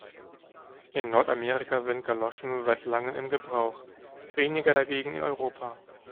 In Nordamerika sind Galoschen seit langem in Gebrauch, weniger dagegen in Europa.